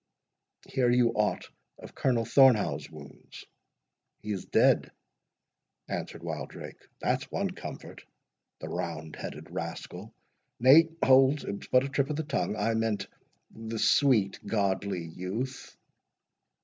"Hear you aught of Colonel Thornhaugh's wounds?" "He is dead," answered Wildrake, "that's one comfort—the roundheaded rascal!—Nay, hold! it was but a trip of the tongue—I meant, the sweet godly youth."